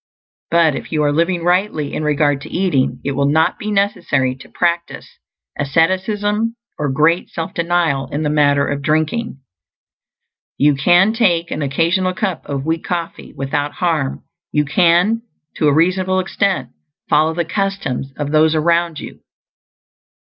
But if you are living rightly in regard to eating, it will not be necessary to practice asceticism or great self denial in the matter of drinking. You can take an occasional cup of weak coffee without harm; you can, to a reasonable extent, follow the customs of those around you.